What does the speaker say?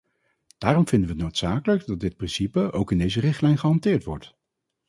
Daarom vinden we het noodzakelijk dat dit principe ook in deze richtlijn gehanteerd wordt.